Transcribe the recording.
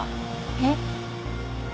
えっ？